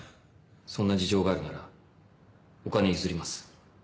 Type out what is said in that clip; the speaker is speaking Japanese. そんな事情があるならお金譲ります。